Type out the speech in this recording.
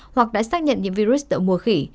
hoặc đã xác nhận những virus đậu mùa khỉ